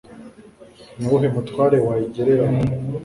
ni uwuhe mutware wayigereranya